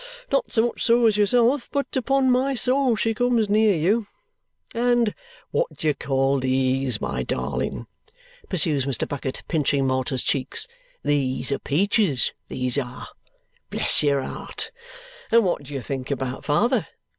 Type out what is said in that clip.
Not so much so as yourself, but, upon my soul, she comes near you! And what do you call these, my darling?" pursues Mr. Bucket, pinching Malta's cheeks. "These are peaches, these are. Bless your heart! And what do you think about father?